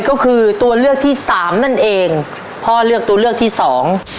ก็คือตัวเลือกที่สามนั่นเองพ่อเลือกตัวเลือกที่สอง